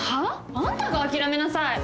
あんたが諦めなさい！